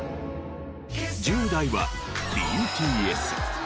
１０代はＢＴＳ。